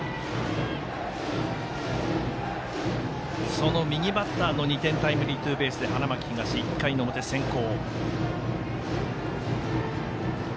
その右バッターのタイムリーツーベースで花巻東、１回の表、先行。